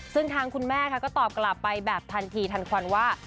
ซึ่งทางคุณแม่ค่ะก็ตอบกลับไปแบบทันทีทันควันว่า